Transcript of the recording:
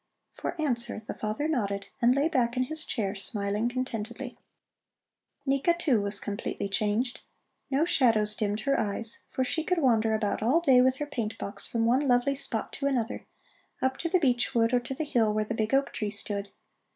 For answer the father nodded and lay back in his chair smiling contentedly. Nika, too, was completely changed. No shadows dimmed her eyes, for she could wander about all day with her paint box from one lovely spot to another, up to the beech wood or to the hill where the big oak tree stood.